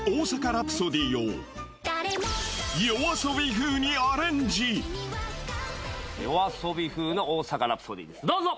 あの人もこの人もＹＯＡＳＯＢＩ風の『大阪ラプソディー』ですどうぞ！